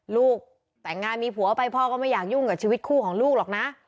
ลูกแต่งงานมีผัวไปพ่อก็ไม่อยากยุ่งกับชีวิตคู่ของลูกหรอกนะ